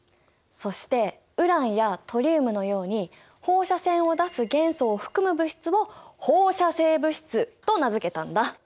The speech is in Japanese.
そしてウランやトリウムのように放射線を出す元素を含む物質を放射性物質と名付けたんだ。